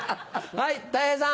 はいたい平さん。